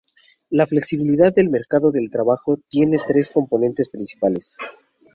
La flexibilidad del mercado del trabajo tiene tres componentes principales.